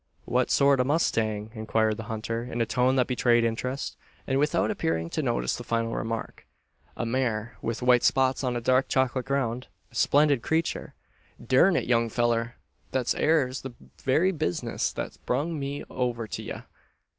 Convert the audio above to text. "Whet sort o' a mustang?" inquired the hunter, in a tone that betrayed interest, and without appearing to notice the final remark. "A mare; with white spots on a dark chocolate ground a splendid creature!" "Durn it, young fellur! thet air's the very bizness thet's brung me over to ye."